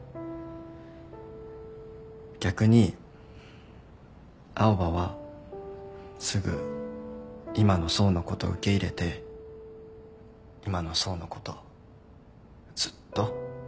逆に青羽はすぐ今の想のこと受け入れて今の想のことずっとちゃんと見てて。